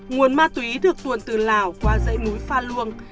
nguồn ma túy được tuồn từ lào qua dãy núi pha luông